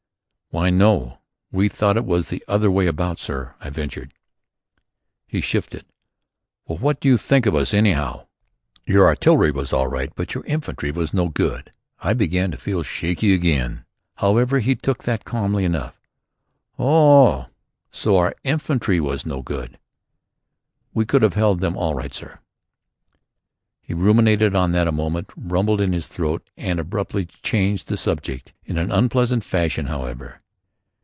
"Why, no. We thought it was the other way about, sir," I ventured. He shifted: "Well, what do you think of us anyhow?" "Your artillery was all right but your infantry was no good." I began to feel shaky again. However, he took that calmly enough. "Oh! So our infantry was no good." "We could have held them all right, sir." He ruminated on that a moment, rumbled in his throat and abruptly changed the subject, in an unpleasant fashion, however.